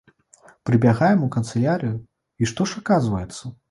Прыбягаем у канцылярыю, і што ж аказваецца?